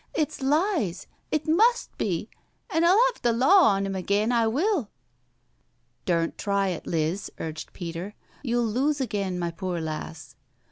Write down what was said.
" It's lies, it must be, an' I'll 'ave th' law on 'im agen, I wiU." "Dumt try it, Liz," urged Peter. "You'll lose agen, my poor lass.